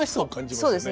そうですね。